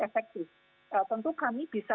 efektif tentu kami bisa